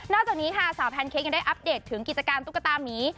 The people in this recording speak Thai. จากนี้ค่ะสาวแพนเค้กยังได้อัปเดตถึงกิจการตุ๊กตามี